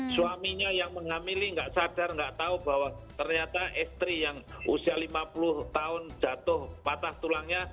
suaminya yang menghamili nggak sadar nggak tahu bahwa ternyata istri yang usia lima puluh tahun jatuh patah tulangnya